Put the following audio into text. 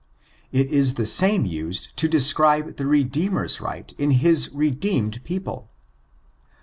It is the same used to describe the Redeemer's right in his redeemed people.